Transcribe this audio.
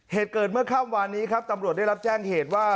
เหตุเกิดเมื่อค่ำวานนี้ครับตำรวจได้รับแจ้งเหตุว่า